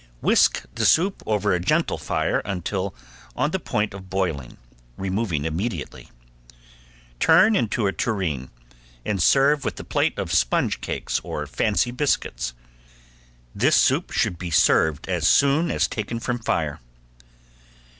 Whisk the soup over a gentle fire until on the point of boiling, removing immediately. Turn into a tureen, and serve with a plate of sponge cakes or fancy biscuits. (This soup should be served as soon as taken from fire.)